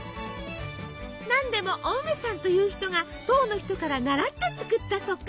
何でもお梅さんという人が唐の人から習って作ったとか。